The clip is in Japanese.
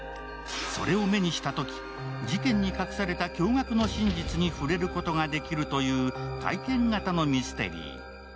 それを目にしたとき、事件に隠された驚がくの真実に触れることができるという体験型のミステリー。